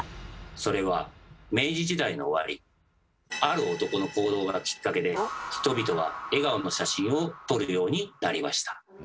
それは明治時代の終わりある男の行動がきっかけで人々は笑顔の写真を撮るようになりました。